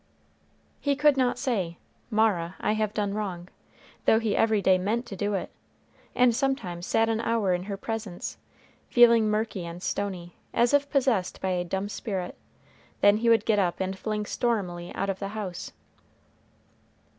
He could not say, "Mara, I have done wrong," though he every day meant to do it, and sometimes sat an hour in her presence, feeling murky and stony, as if possessed by a dumb spirit; then he would get up and fling stormily out of the house.